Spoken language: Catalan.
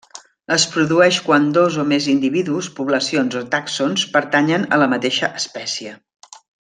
Es produeix quan dos o més individus, poblacions o tàxons pertanyen a la mateixa espècie.